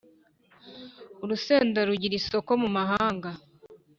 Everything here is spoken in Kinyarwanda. Urusenda rugira isoko mumahanga